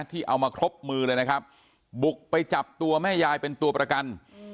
ที่เอามาครบมือเลยนะครับบุกไปจับตัวแม่ยายเป็นตัวประกัน